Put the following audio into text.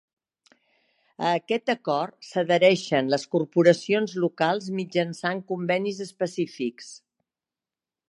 A aquest acord s'adhereixen les corporacions locals mitjançant convenis específics.